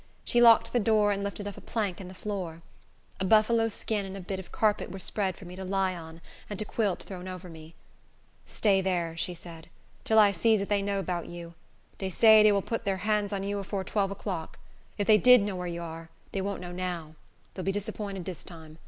She locked the door, and lifted up a plank in the floor. A buffalo skin and a bit of carpet were spread for me to lie on, and a quilt thrown over me. "Stay dar," said she, "till I sees if dey know 'bout you. Dey say dey vil put thar hans on you afore twelve o'clock. If dey did know whar you are, dey won't know now. Dey'll be disapinted dis time.